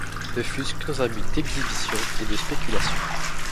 Ne fût-ce que dans un but d’exhibition et de spéculation.